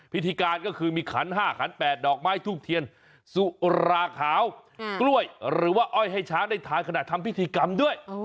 พิธีการก็คือมีขัน๕ขัน๘ดอกไม้ทูบเทียนสุราขาวกล้วยหรือว่าอ้อยให้ช้างได้ทานขณะทำพิธีกรรมด้วย